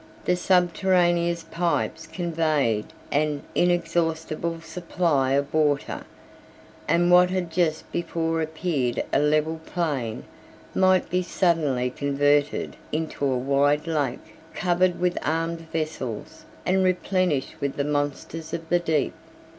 The subterraneous pipes conveyed an inexhaustible supply of water; and what had just before appeared a level plain, might be suddenly converted into a wide lake, covered with armed vessels, and replenished with the monsters of the deep.